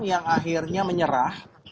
yang akhirnya menyerah